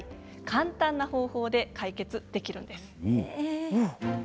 簡単な方法で解決できるんです。